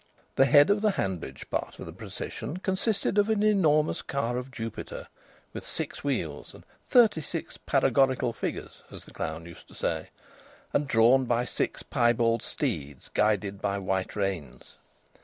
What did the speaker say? The head of the Hanbridge part of the procession consisted of an enormous car of Jupiter, with six wheels and thirty six paregorical figures (as the clown used to say), and drawn by six piebald steeds guided by white reins.